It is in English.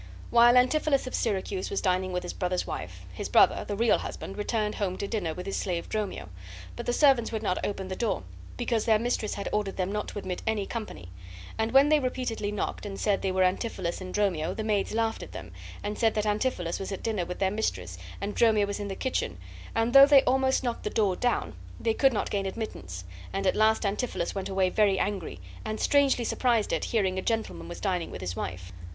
While Antipholus of Syracuse was dining with his brother's wife, his brother, the real husband, returned home to dinner with his slave Dromio; but the servants would not open the door, because their mistress had ordered them not to admit any company; and when they repeatedly knocked, and said they were Antipholus and Dromio, the maids laughed at them, and said that Antipholus was at dinner with their mistress, and Dromio was in the kitchen, and though they almost knocked the door down, they could not gain admittance, and at last Antipholus went away very angry, and strangely surprised at, hearing a gentleman was dining with his wife.